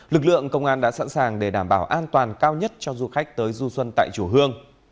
lực lượng công an đã sẵn sàng để đảm bảo an toàn cao nhất cho du khách tới du xuân tại chùa hương